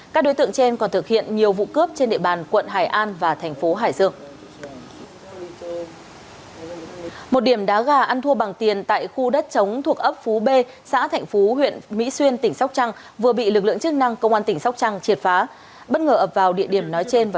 các đối tượng trên còn thực hiện nhiều vụ cướp trên địa bàn quận hải an và thành phố hải dương